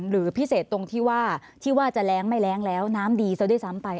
หรือพิเศษตรงที่ว่าจะแร้งไม่แร้งแล้วน้ำดีจะได้ซ้ำไป